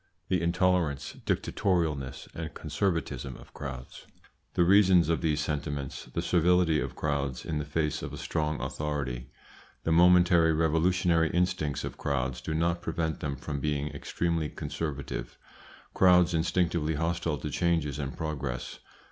THE INTOLERANCE, DICTATORIALNESS, AND CONSERVATISM OF CROWDS. The reasons of these sentiments The servility of crowds in the face of a strong authority The momentary revolutionary instincts of crowds do not prevent them from being extremely conservative Crowds instinctively hostile to changes and progress.